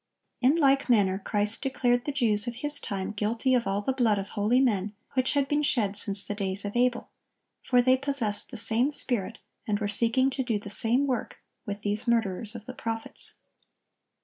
In like manner Christ declared the Jews of His time guilty of all the blood of holy men which had been shed since the days of Abel; for they possessed the same spirit, and were seeking to do the same work, with these murderers of the prophets.